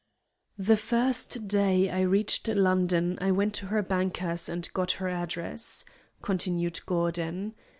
"The first day I reached London I went to her banker's and got her address," continued Gordon.